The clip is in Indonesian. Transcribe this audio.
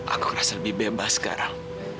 aku rasa lebih bebas sekarang